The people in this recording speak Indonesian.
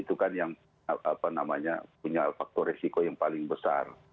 itu kan yang punya faktor resiko yang paling besar